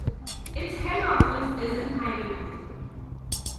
Its head office is in Heidelberg.